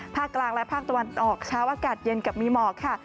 ภาคกลางและภาคตะวันออกเช้าอากาศเย็นกับมีหมอกค่ะ